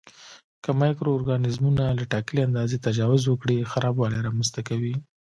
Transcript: که مایکرو ارګانیزمونه له ټاکلي اندازې تجاوز وکړي خرابوالی رامینځته کوي.